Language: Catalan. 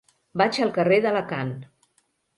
Vaig al carrer d'Alacant.